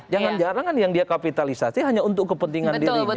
jangan jarang kan yang dia kapitalisasi hanya untuk kepentingan dirinya